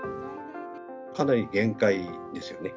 かなり限界ですよね。